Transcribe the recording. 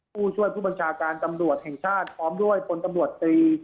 ผู้ช่วยผู้บัญชาการตำรวจแห่งชาติพร้อมด้วยพลตำรวจตรี